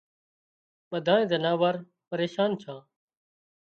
ٻڌانئي زناور پريشان ڇان